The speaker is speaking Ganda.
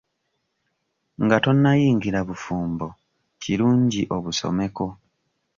Nga tonnayingira bufumbo kirungi obusomeko.